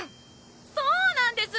そうなんです！